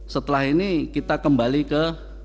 setelah ini kita kembali ke